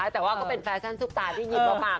แต่ว่าก็เป็นฟาชั่นทุกตาที่หยิบผัก